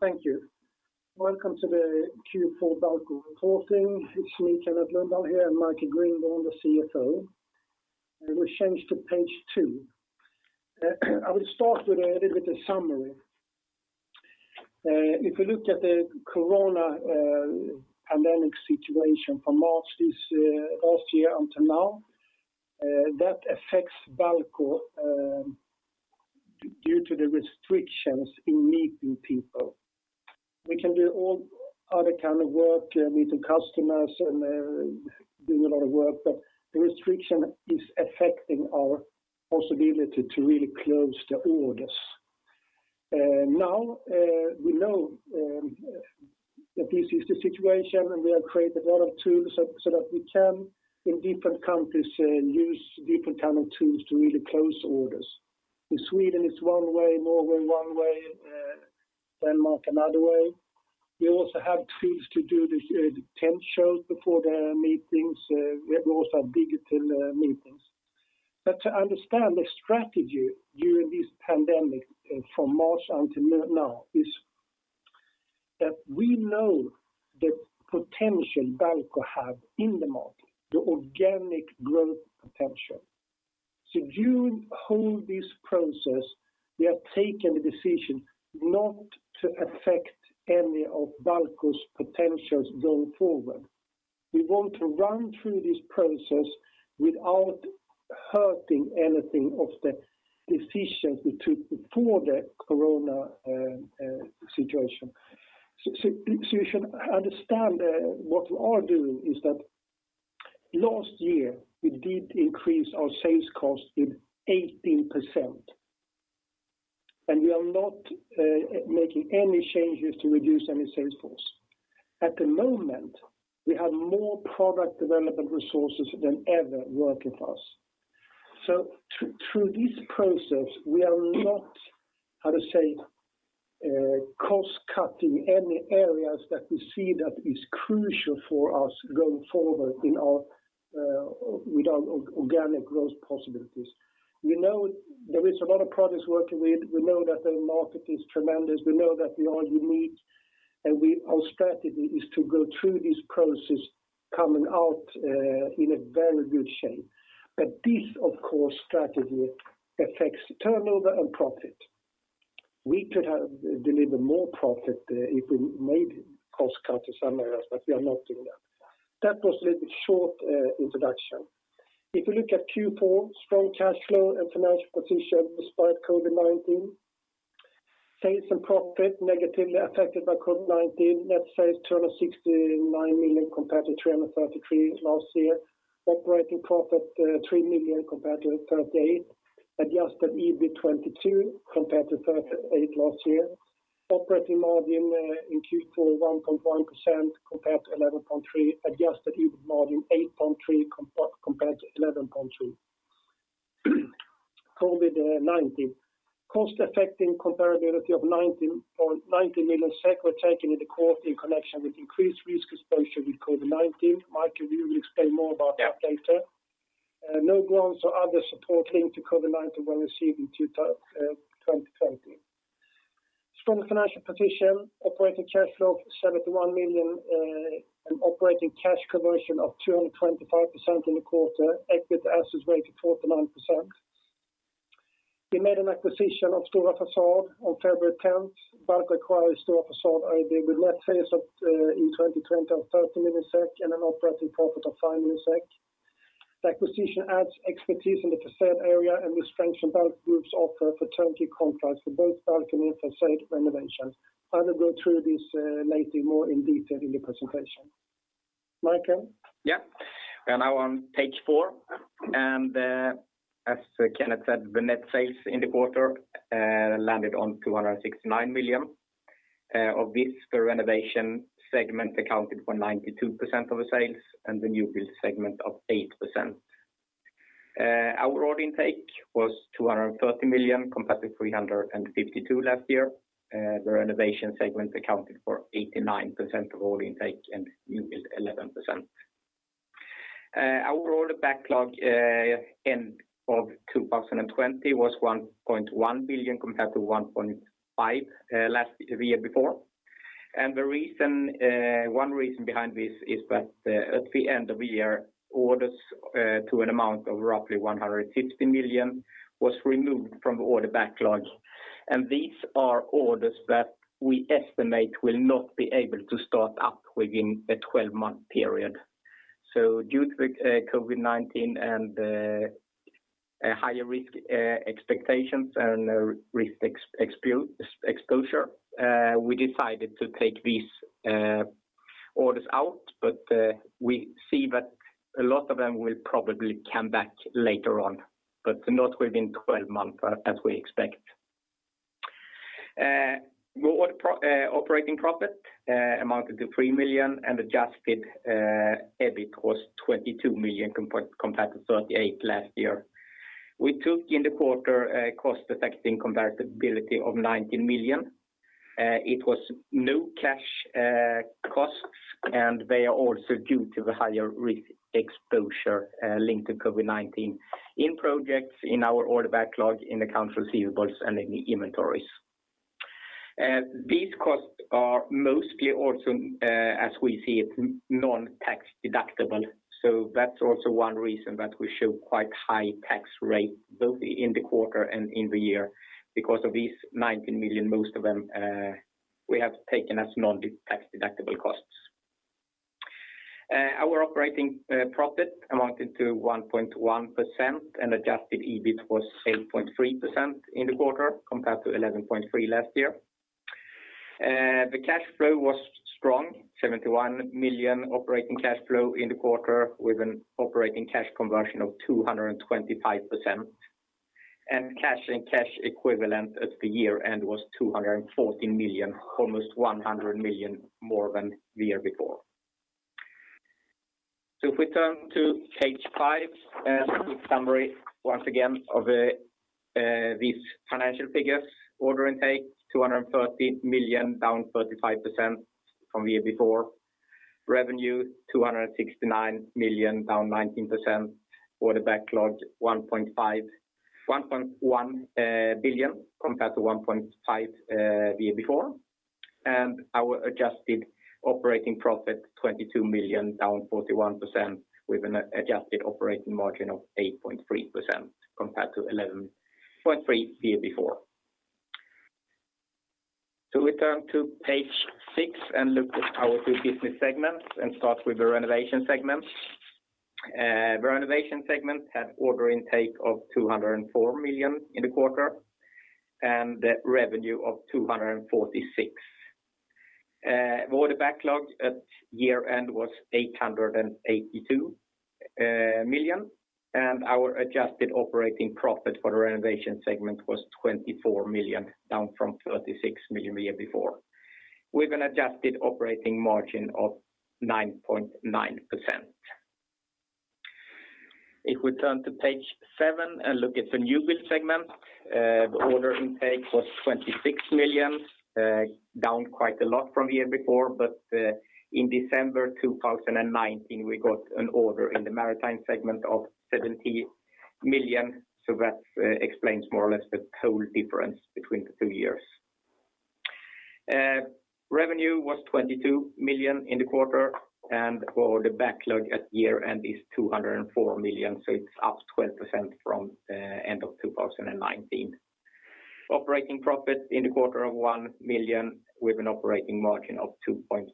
Thank you. Welcome to the Q4 BALCO reporting. It's me, Kenneth Lundahl here, and Michael Grindborn, the CFO. We will change to page two. I will start with a little bit of summary. If you look at the corona pandemic situation from March last year until now, that affects BALCO due to the restrictions in meeting people. We can do all other kind of work, meeting customers and doing a lot of work, but the restriction is affecting our possibility to really close the orders. Now, we know that this is the situation, and we have created a lot of tools so that we can, in different countries, use different kind of tools to really close orders. In Sweden, it's one way, Norway one way, Denmark another way. We also have tools to do the 10 shows before the meetings. We have also digital meetings. To understand the strategy during this pandemic from March until now is that we know the potential Balco have in the market, the organic growth potential. During whole this process, we have taken the decision not to affect any of Balco's potentials going forward. We want to run through this process without hurting anything of the decisions we took before the corona situation. You should understand what we are doing is that last year, we did increase our sales cost with 18%, and we are not making any changes to reduce any sales force. At the moment, we have more product development resources than ever working for us. Through this process, we are not, how to say, cost-cutting any areas that we see that is crucial for us going forward with our organic growth possibilities. We know there is a lot of products working with. We know that the market is tremendous. Our strategy is to go through this process coming out in a very good shape. This, of course, strategy affects turnover and profit. We could have delivered more profit if we made cost cut to some areas, but we are not doing that. That was a little short introduction. If you look at Q4, strong cash flow and financial position despite COVID-19. Sales and profit negatively affected by COVID-19. Net sales 269 million compared to 333 million last year. Operating profit, 3 million compared to 38 million. Adjusted EBIT, 22 million compared to 38 million last year. Operating margin in Q4, 1.1% compared to 11.3%. Adjusted EBIT margin 8.3% compared to 11.2%. COVID-19. Cost affecting comparability of SEK 19 million were taken in the quarter in connection with increased risk exposure with COVID-19. Michael, you will explain more about that later. Yeah. No grants or other support linked to COVID-19 were received in 2020. Strong financial position, operating cash flow of 71 million and operating cash conversion of 225% in the quarter. Equity to assets ratio 49%. We made an acquisition of Stora Fasad on February 10th. BALCO acquires Stora Fasad AB with net sales of 2020 of 30 million SEK and an operating profit of 5 million SEK. The acquisition adds expertise in the façade area and will strengthen BALCO Group's offer for turnkey contracts for both balcony and façade renovations. I will go through this later more in detail in the presentation. Michael? We are now on page four. As Kenneth said, the net sales in the quarter landed on 269 million. Of this, the renovation segment accounted for 92% of the sales and the new build segment of 8%. Our order intake was 230 million compared to 352 million last year. The renovation segment accounted for 89% of order intake and new build 11%. Our order backlog end of 2020 was 1.1 billion compared to 1.5 billion the year before. One reason behind this is that at the end of the year, orders to an amount of roughly 150 million was removed from the order backlog. These are orders that we estimate will not be able to start up within a 12-month period. Due to the COVID-19 and higher risk expectations and risk exposure, we decided to take these orders out. We see that a lot of them will probably come back later on, but not within 12 months, as we expect. Raw operating profit amounted to 3 million, and adjusted EBIT was 22 million compared to 38 million last year. We took in the quarter a items affecting comparability of 19 million. It was no cash costs. They are also due to the higher risk exposure linked to COVID-19 in projects, in our order backlog, in accounts receivables, and in inventories. These costs are mostly also, as we see it, non-tax deductible. That's also one reason that we show quite high tax rate both in the quarter and in the year because of these 19 million, most of them, we have taken as non-tax-deductible costs. Our operating profit amounted to 1.1%, and adjusted EBIT was 8.3% in the quarter, compared to 11.3% last year. The cash flow was strong, 71 million operating cash flow in the quarter, with an operating cash conversion of 225%. Cash and cash equivalent at the year end was 214 million, almost 100 million more than the year before. If we turn to page five, a summary once again of these financial figures. Order intake, 230 million, down 35% from the year before. Revenue, 269 million, down 19%. Order backlog, 1.1 billion, compared to 1.5 billion the year before. Our adjusted operating profit, 22 million, down 41%, with an adjusted operating margin of 8.3% compared to 11.3% the year before. We turn to page six and look at our two business segments and start with the Renovation segment. The Renovation segment had order intake of 204 million in the quarter and revenue of 246 million. Order backlog at year end was 882 million. Our adjusted operating profit for the renovation segment was 24 million, down from 36 million the year before, with an adjusted operating margin of 9.9%. If we turn to page seven and look at the new build segment, the order intake was 26 million, down quite a lot from the year before. In December 2019, we got an order in the maritime segment of 70 million, that explains more or less the total difference between the two years. Revenue was 22 million in the quarter. For the backlog at year end is 204 million, it is up 12% from the end of 2019. Operating profit in the quarter of 1 million with an operating margin of 2.5%.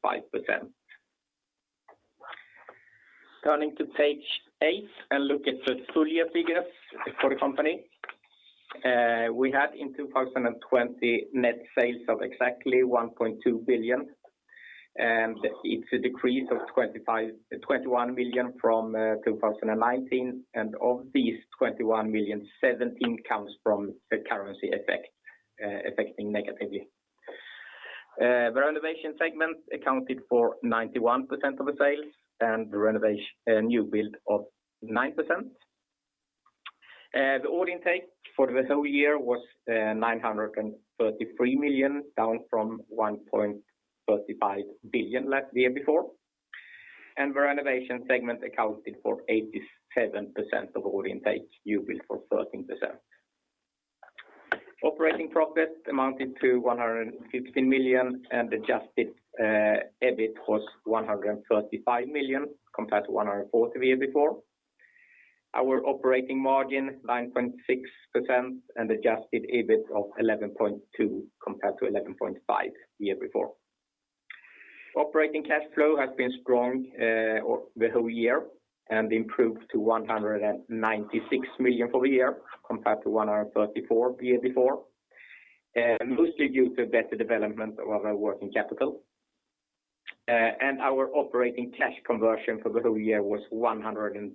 Turning to page eight and look at the full year figures for the company. We had in 2020 net sales of exactly 1.2 billion, it's a decrease of 21 million from 2019. Of these 21 million, 17 comes from the currency effect, affecting negatively. The Renovation segment accounted for 91% of the sales and the New Build segment of 9%. The Order intake for the whole year was 933 million, down from 1.35 billion the year before. The Renovation segment accounted for 87% of Order intake, New Build segment for 13%. Operating Profit amounted to 115 million, Adjusted EBIT was 135 million compared to 140 million the year before. Our Operating margin 9.6% and Adjusted EBIT of 11.2% compared to 11.5% the year before. Operating Cash Flow has been strong the whole year and improved to 196 million for the year compared to 134 million the year before. Mostly due to better development of our working capital. Our operating cash conversion for the whole year was 114%.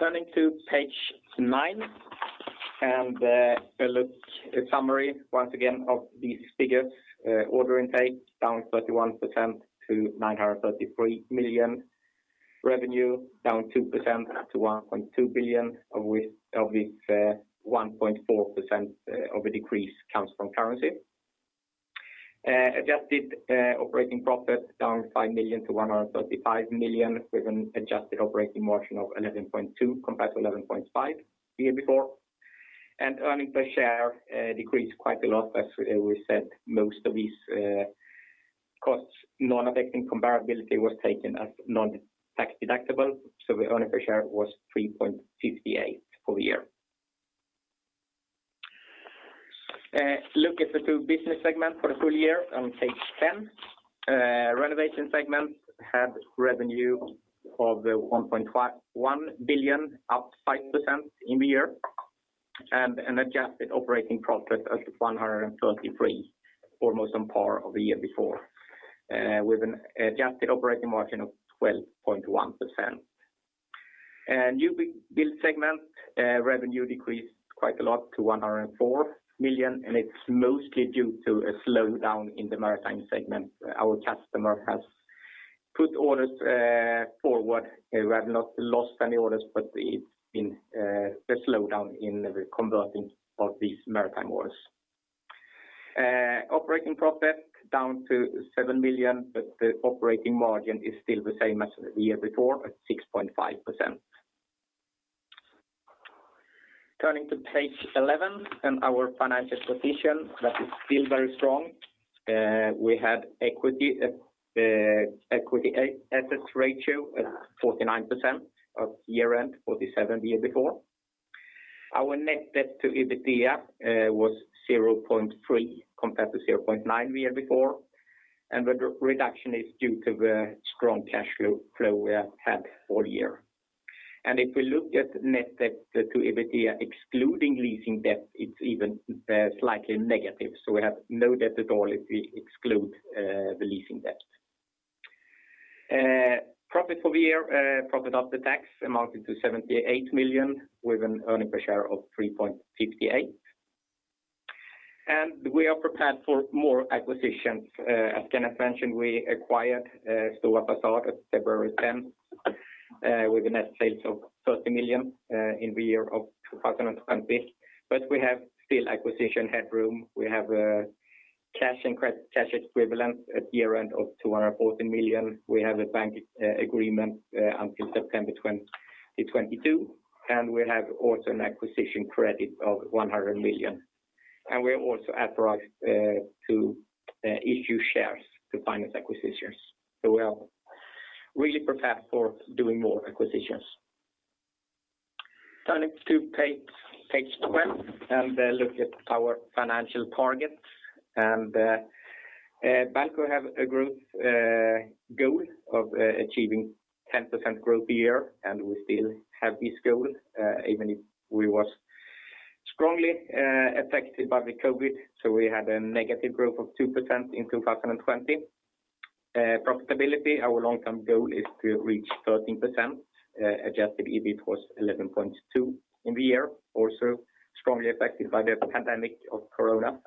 Turning to page nine and a look at summary once again of these figures. Order intake down 31% to 933 million. Revenue down 2% to 1.2 billion. Of which 1.4% of a decrease comes from currency. Adjusted operating profit down 5 million to 135 million with an adjusted operating margin of 11.2% compared to 11.5% the year before. Earnings per share decreased quite a lot. As we said, most of these costs, non-affecting comparability, was taken as non-tax deductible, so the earning per share was 3.58 for the year. Look at the two business segments for the full year on page 10. Renovation segment had revenue of 1.1 billion, up 5% in the year, and an adjusted operating profit of 133 million, almost on par with the year before, with an adjusted operating margin of 12.1%. New build segment revenue decreased quite a lot to 104 million. It's mostly due to a slowdown in the maritime segment. Our customer has put orders forward. We have not lost any orders, but in the slowdown in the converting of these maritime orders. Operating profit down to 7 million, but the operating margin is still the same as the year before at 6.5%. Turning to page eleven and our financial position, that is still very strong. We had equity to assets ratio at 49% at year-end, 47% the year before. Our net debt to EBITDA was 0.3 compared to 0.9 the year before. The reduction is due to the strong cash flow we have had all year. If we look at net debt to EBITDA excluding leasing debt, it's even slightly negative. We have no debt at all if we exclude the leasing debt. Profit for the year, profit after tax amounted to 78 million, with an earnings per share of 3.58. We are prepared for more acquisitions. As Kenneth mentioned, we acquired Stora Fasad on February 10th, with a net sales of 30 million in the year of 2020. We have still acquisition headroom. We have a cash and cash equivalents at year-end of 240 million. We have a bank agreement until September 2022, and we have also an acquisition credit of 100 million. We are also authorized to issue shares to finance acquisitions. We are really prepared for doing more acquisitions. Turning to page 12 and look at our financial targets. Balco have a growth goal of achieving 10% growth a year, and we still have this goal even if we were strongly affected by the COVID-19. We had a negative growth of 2% in 2020. Profitability, our long-term goal is to reach 13%, adjusted EBIT was 11.2 in the year, also strongly affected by the pandemic of COVID-19.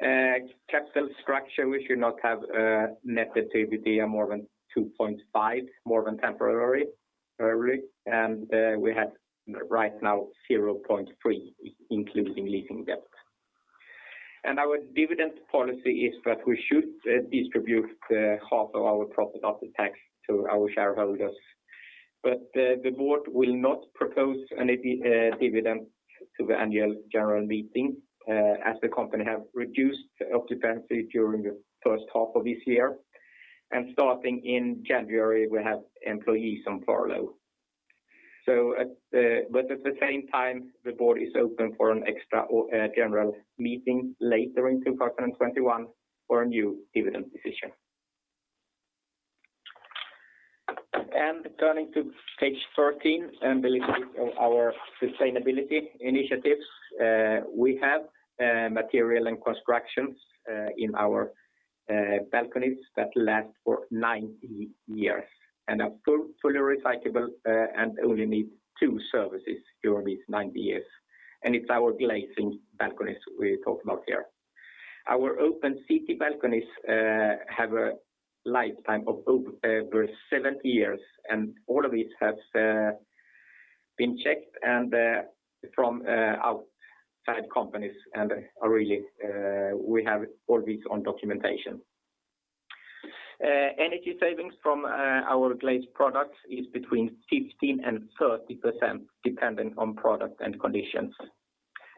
Capital structure, we should not have a net debt to EBITDA more than 2.5 more than temporary. We have right now 0.3, including leasing debt. Our dividend policy is that we should distribute half of our profit after tax to our shareholders. The board will not propose any dividend to the annual general meeting as the company have reduced occupancy during the first half of this year. Starting in January, we have employees on furlough. At the same time, the board is open for an extra general meeting later in 2021 for a new dividend decision. Turning to page 13 and a little bit of our sustainability initiatives. We have material and constructions in our balconies that last for 90 years and are fully recyclable and only need two services during these 90 years. It's our glazed balconies we talk about here. Our open city balconies have a lifetime of over 70 years, and all of it has been checked from outside companies and we have all this on documentation. Energy savings from our glazed products is between 15% and 30%, depending on product and conditions.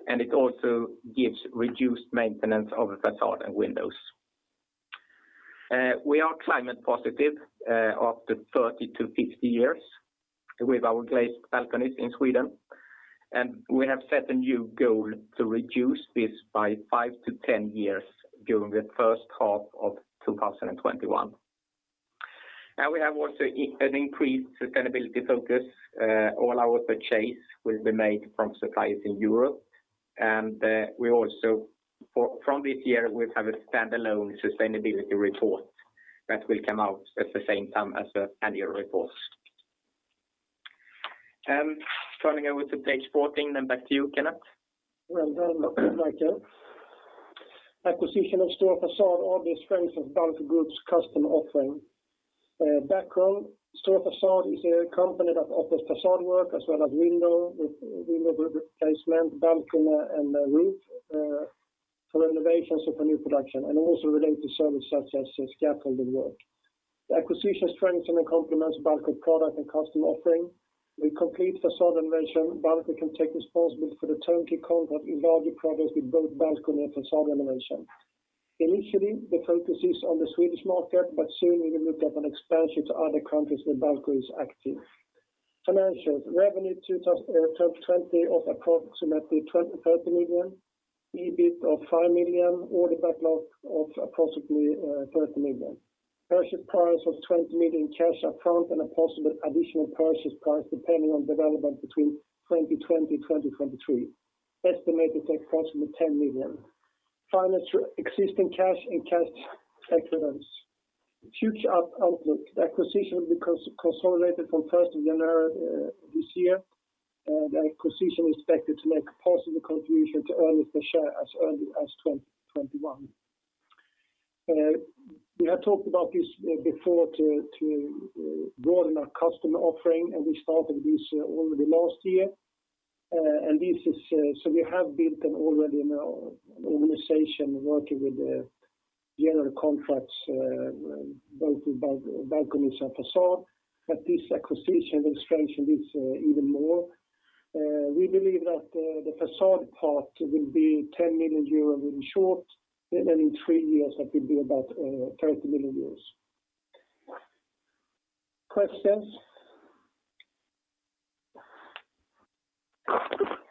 It also gives reduced maintenance of façade and windows. We are climate positive after 30 to 50 years with our glazed balconies in Sweden. We have set a new goal to reduce this by five to 10 years during the first half of 2021. Now we have also an increased sustainability focus. All our purchase will be made from suppliers in Europe. From this year, we have a standalone sustainability report that will come out at the same time as the annual report. Turning over to page 14, and back to you, Kenneth. Well done, Michael. Background: Stora Fasad augments strength of BALCO GROUP customer offering. Stora Fasad is a company that offers façade work as well as window replacement, balcony and roof for renovations of a new production and also related service such as scaffolding work. The acquisition strengthens and complements Balco product and customer offering. With complete façade renovation, Balco can take responsibility for the turnkey contract in larger projects with both balcony and façade renovation. Initially, the focus is on the Swedish market, but soon we will look at an expansion to other countries where Balco is active. Financials: Revenue 2020 of approximately 30 million. EBIT of 5 million, order backlog of approximately 30 million. Purchase price of 20 million cash upfront and a possible additional purchase price depending on development between 2020, 2023. Estimated at approximately 10 million. Finance through existing cash and cash equivalents. Future outlook. The acquisition will be consolidated from 1st of January this year. The acquisition is expected to make a positive contribution to earnings per share as early as 2021. We have talked about this before to broaden our customer offering, and we started this already last year. We have built an organization working with general contracts, both with balconies and façade, but this acquisition will strengthen this even more. We believe that the façade part will be 10 million euros in short, and in three years, that will be about 30 million euros. Questions?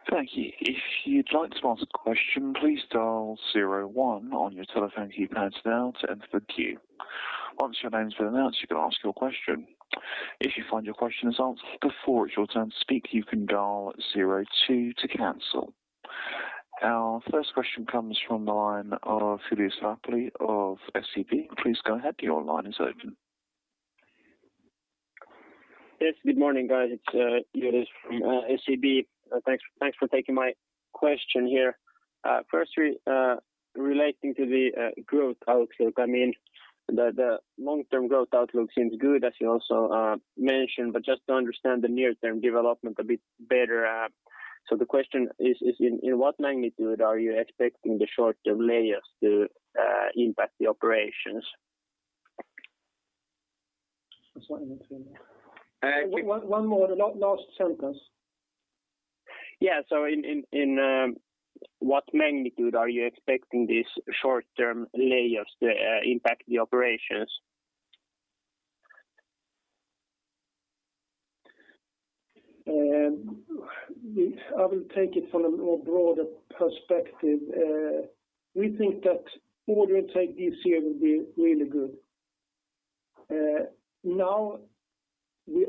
Thank you. If you'd like to ask a question, please dial zero one on your telephone keypad now to enter the queue. Once your name's been announced, you can ask your question. If you find your question is answered before it's your turn to speak, you can dial zero two to cancel. Our first question comes from the line of Julius Rapeli of SEB. Please go ahead. Your line is open. Yes, good morning, guys. It's Julius from SEB. Thanks for taking my question here. Firstly, relating to the growth outlook, I mean, the long-term growth outlook seems good as you also mentioned, but just to understand the near-term development a bit better. The question is, in what magnitude are you expecting the short-term layoffs to impact the operations? One more, last sentence. Yeah. In what magnitude are you expecting these short-term layoffs to impact the operations? I will take it from a more broader perspective. We think that order intake this year will be really good. Now we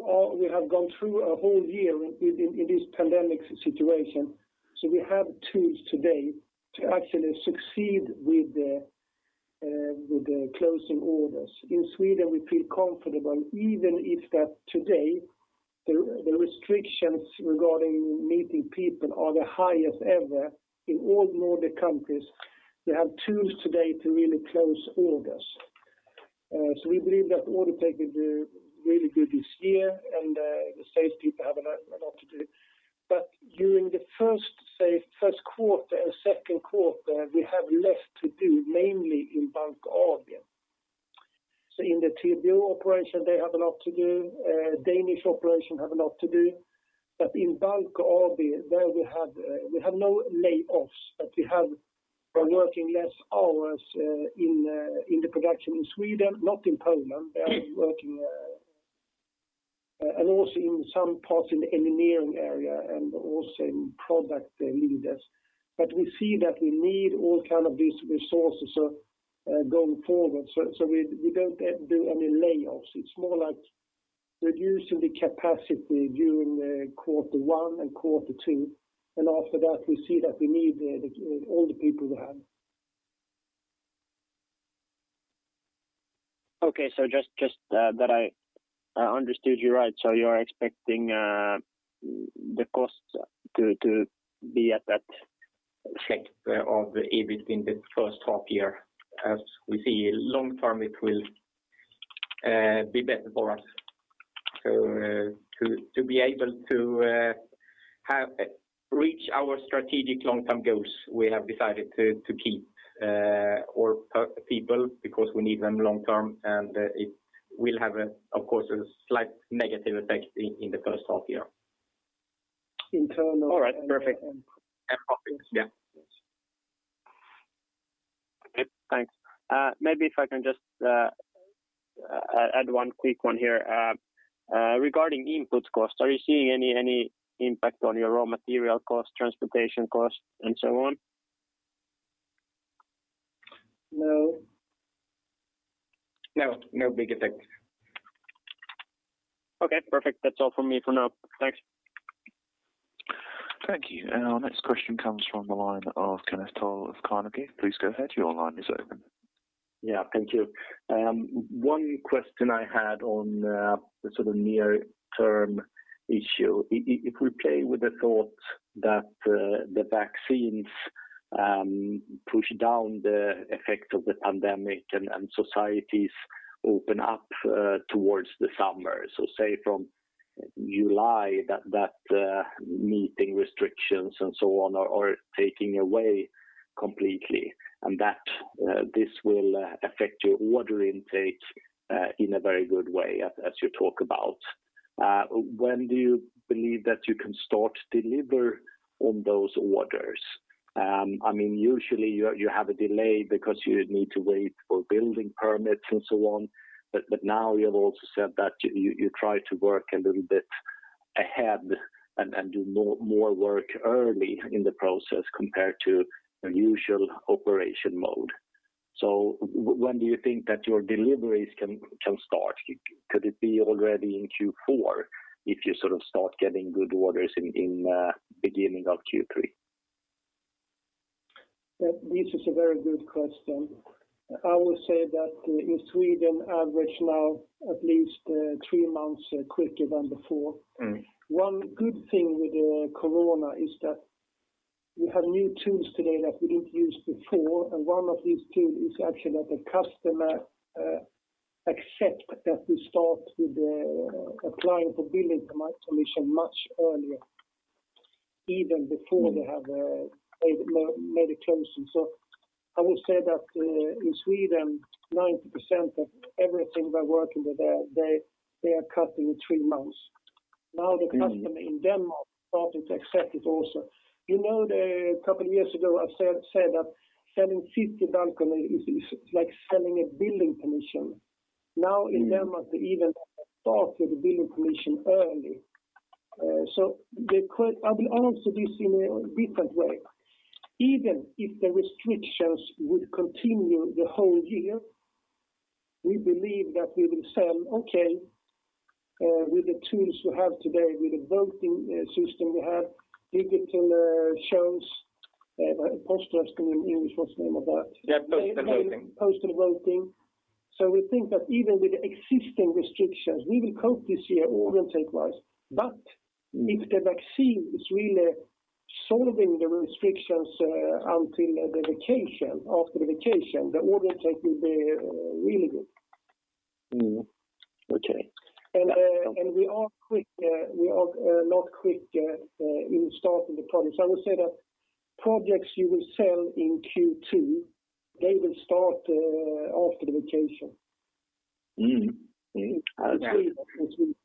have gone through a whole year in this pandemic situation. We have tools today to actually succeed with the closing orders. In Sweden, we feel comfortable, even if today the restrictions regarding meeting people are the highest ever in all Nordic countries. We have tools today to really close orders. We believe that order taking will do really good this year and the salespeople have a lot to do. During the first quarter and second quarter, we have less to do, mainly in Balco AB. In the TBO operation, they have a lot to do. Danish operation have a lot to do. In Balco AB, we have no layoffs, but we are working less hours in the production in Sweden, not in Poland. They are working, also in some parts in the engineering area, and also in product leaders. We see that we need all kind of these resources going forward. We don't do any layoffs. It's more like reducing the capacity during quarter one and quarter two. After that, we see that we need all the people we have. Okay. Just that I understood you right. You are expecting the costs to be at that- Effect of the EBIT in the first half year. We see long term, it will be better for us. To be able to reach our strategic long-term goals, we have decided to keep our people because we need them long term, and it will have, of course, a slight negative effect in the first half year. Internal- All right, perfect. Profits, yeah. Okay, thanks. Maybe if I can just add one quick one here. Regarding input cost, are you seeing any impact on your raw material cost, transportation cost, and so on? No. No, big effect. Okay, perfect. That's all from me for now. Thanks. Thank you. Our next question comes from the line of Kenneth Toll of Carnegie. Please go ahead. Your line is open. Yeah, thank you. One question I had on the near-term issue. If we play with the thought that the vaccines push down the effect of the pandemic and societies open up towards the summer. From July that meeting restrictions and so on are taking away completely, and that this will affect your order intake in a very good way, as you talk about. When do you believe that you can start to deliver on those orders? Usually you have a delay because you need to wait for building permits and so on, but now you have also said that you try to work a little bit ahead and do more work early in the process compared to your usual operation mode. When do you think that your deliveries can start? Could it be already in Q4 if you start getting good orders in beginning of Q3? This is a very good question. I will say that in Sweden, average now at least three months quicker than before. One good thing with the corona is that we have new tools today that we didn't use before, and one of these tools is actually that the customer accept that we start with applying for building permission much earlier, even before they have made a closing. I would say that in Sweden, 90% of everything we're working with there, they are cutting three months. Now the customer in Denmark started to accept it also. A couple years ago, I said that selling 50 balcony is like selling a building permission. Now in Denmark, they even started the building permission early. I will answer this in a different way. Even if the restrictions would continue the whole year, we believe that we will sell okay with the tools we have today, with the voting system we have, digital shows, postal voting, what's the name of that? Yeah, postal voting. Postal voting. We think that even with existing restrictions, we will cope this year order take-wise. If the vaccine is really solving the restrictions after the vacation, the order take will be really good. Okay. We are not quick in starting the projects. I would say that projects you will sell in Q2, they will start after the vacation. I would say that this week. Yeah,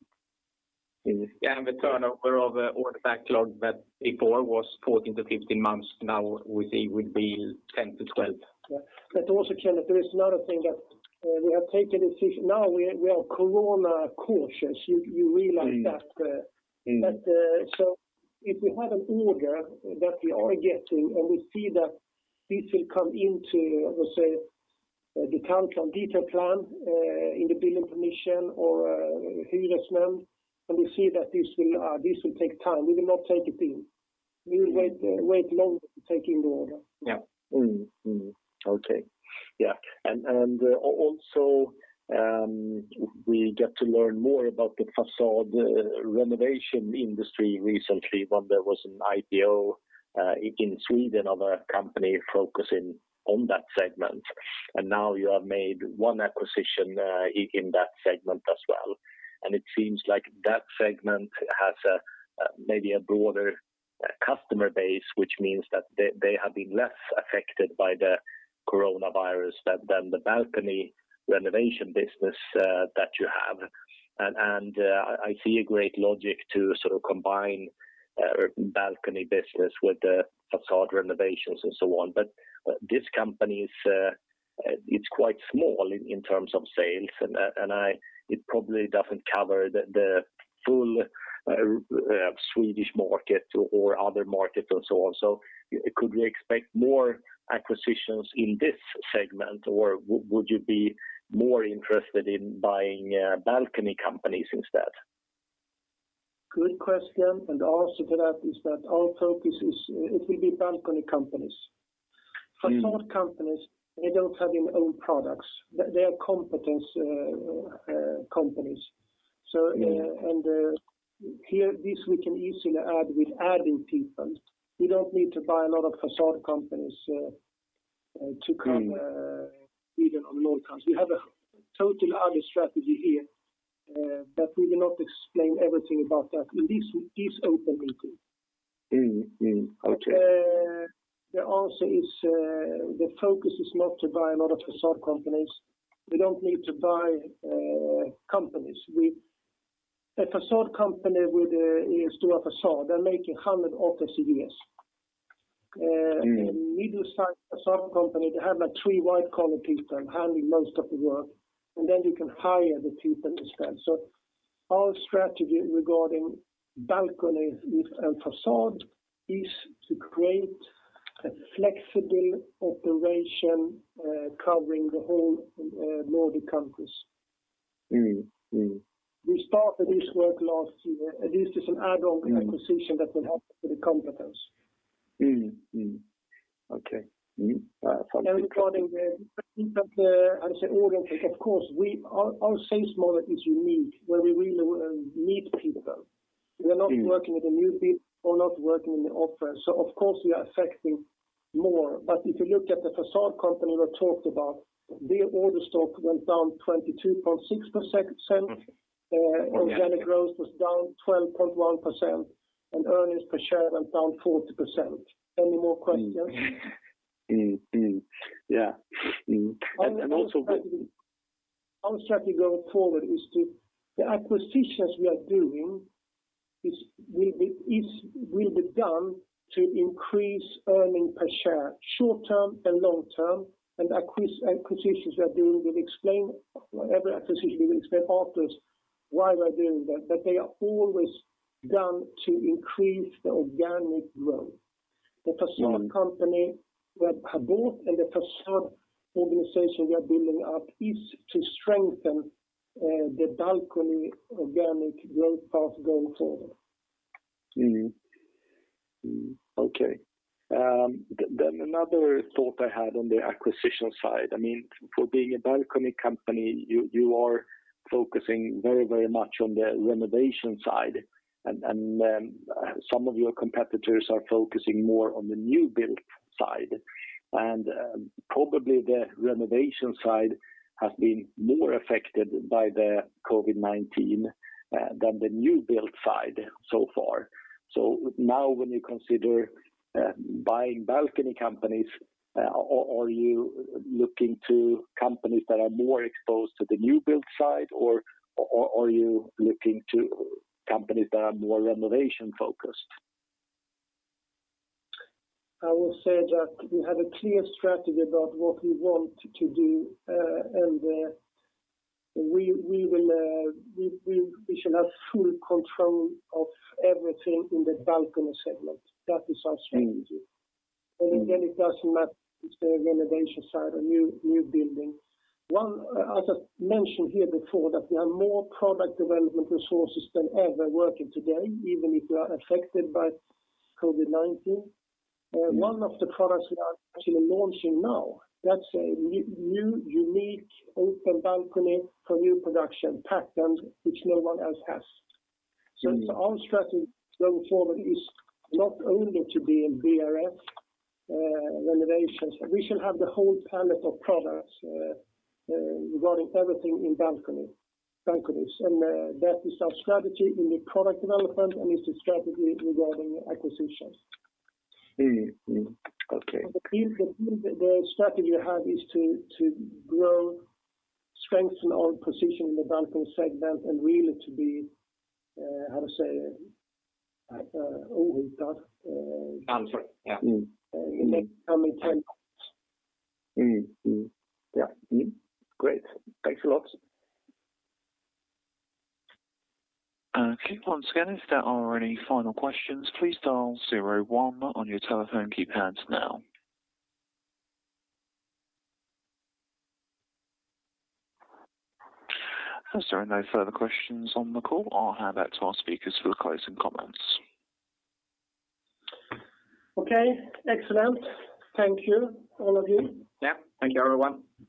the turnover of order backlog that before was 14-15 months, now we see will be 10-12. Yeah. Also, Kenneth, there is another thing that we have taken a decision. Now we are corona cautious. You realize that. If we have an order that we are getting, and we see that this will come into, I would say, the detail plan in the building permission, and we see that this will take time, we will not take it in. We will wait longer to take in the order. Yeah. Mm-hmm. Okay. Yeah. Also, we got to learn more about the façade renovation industry recently when there was an IPO in Sweden of a company focusing on that segment. Now you have made one acquisition in that segment as well. It seems like that segment has maybe a broader customer base, which means that they have been less affected by the coronavirus than the balcony renovation business that you have. I see a great logic to combine balcony business with the façade renovations and so on. This company is quite small in terms of sales, and it probably doesn't cover the full Swedish market or other markets and so on. Could we expect more acquisitions in this segment, or would you be more interested in buying balcony companies instead? Good question. Answer to that is that our focus is it will be balcony companies. Façade companies, they don't have their own products. They are competence companies. Here, this we can easily add with adding people. We don't need to buy a lot of façade companies to cover Sweden or the Nordics. We have a total other strategy here that we will not explain everything about that in this open meeting. Okay. The answer is the focus is not to buy a lot of façade companies. We don't need to buy companies. A façade company with a Stora Fasad, they're making 100 offices a year. A middle-sized façade company, they have three white-collar people handling most of the work, and then you can hire the people instead. Our strategy regarding balconies and façade is to create a flexible operation covering the whole Nordic countries. We started this work last year. This is an add-on acquisition that will help with the competence. Okay. Regarding the order take, of course, our sales model is unique, where we really need people. We are not working with new people. We're not working in the office. Of course, we are affecting more. If you look at the façade company we talked about, their order stock went down 22.6%. Organic growth was down 12.1%, and earnings per share went down 40%. Any more questions? Mm-hmm. Yeah. Mm-hmm. Our strategy going forward is the acquisitions we are doing will be done to increase earning per share short-term and long-term, and every acquisition we will explain after why we're doing that, but they are always done to increase the organic growth. The façade company we have bought and the façade organization we are building up is to strengthen the balcony organic growth path going forward. Okay. Another thought I had on the acquisition side. For being a balcony company, you are focusing very much on the renovation side, some of your competitors are focusing more on the new build side. Probably the renovation side has been more affected by the COVID-19 than the new build side so far. Now when you consider buying balcony companies, are you looking to companies that are more exposed to the new build side, or are you looking to companies that are more renovation-focused? I will say that we have a clear strategy about what we want to do, and we shall have full control of everything in the balcony segment. That is our strategy. Again, it doesn't matter if it's the renovation side or new building. As I mentioned here before, that we have more product development resources than ever working today, even if we are affected by COVID-19. One of the products we are actually launching now, that's a new unique open balcony for new production patent which no one else has. Our strategy going forward is not only to be in BRF renovations. We should have the whole palette of products regarding everything in balconies. That is our strategy in the product development, and it's a strategy regarding acquisitions. Mm-hmm. Okay. The strategy we have is to grow, strengthen our position in the balcony segment and really to be, how to say. Balcony. Yeah. In the balcony segment. Yeah. Great. Thanks a lot. Okay. Once again, if there are any final questions, please dial zero one on your telephone keypads now. As there are no further questions on the call, I'll hand back to our speakers for the closing comments. Okay, excellent. Thank you, all of you. Yeah. Thank you, everyone.